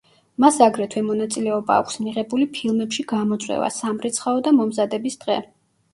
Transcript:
მას აგრეთვე მონაწილეობა აქვს მიღებული ფილმებში „გამოწვევა“, „სამრეცხაო“ და „მომზადების დღე“.